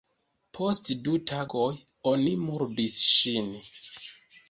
Post du tagoj, oni murdis ŝin.